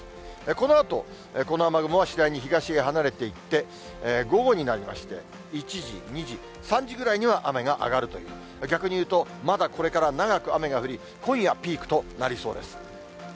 このあと、この雨雲は次第に東へ離れていって、午後になりまして、１時、２時、３時ぐらいには雨が上がるという、逆に言うと、まだこれから長く雨が降り、今夜ピークとなりそうです。